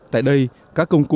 tại đây các công cụ